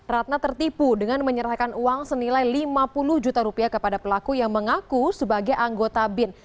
ratna tertipu dengan menyerahkan uang senilai lima puluh juta rupiah kepada pelaku yang mengaku sebagai anggota bin